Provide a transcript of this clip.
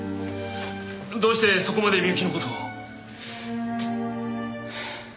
どうしてそこまで美雪の事を？